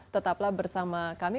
tetaplah bersama kami